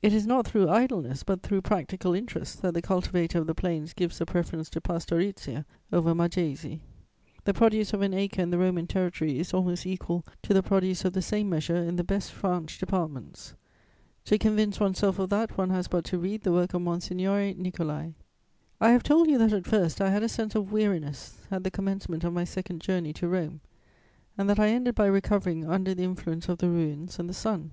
It is not through idleness, but through practical interest, that the cultivator of the plains gives the preference to pastorizia over maggesi. The produce of an acre in the Roman territory is almost equal to the produce of the same measure in the best French departments: to convince one's self of that, one has but to read the work of Monsignore Nicolaï. * I have told you that, at first, I had a sense of weariness, at the commencement of my second journey to Rome, and that I ended by recovering under the influence of the ruins and the sun.